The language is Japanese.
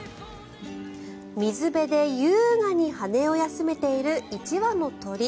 水辺で優雅に羽を休めている１羽の鳥。